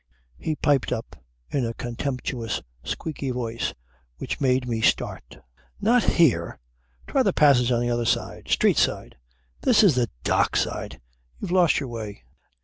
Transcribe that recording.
He piped up in a contemptuous squeaky voice which made me start: "Not here. Try the passage on the other side. Street side. This is the Dock side. You've lost your way